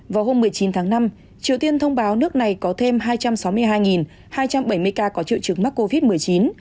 vào hôm một mươi chín tháng năm triều tiên thông báo nước này có thêm hai trăm sáu mươi hai hai trăm bảy mươi ca có triệu chứng mắc covid một mươi chín